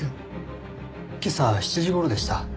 今朝７時頃でした。